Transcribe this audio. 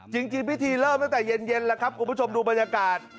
จริงพิธีเริ่มตั้งแต่เย็นแล้วครับคุณผู้ชมดูบรรยากาศ